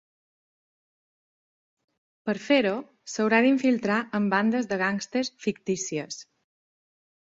Per fer-ho s'haurà d'infiltrar en bandes de gàngsters fictícies.